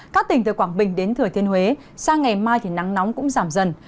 các tỉnh từ quảng bình đến thừa thiên huế sang ngày mai nắng nóng cũng giảm dần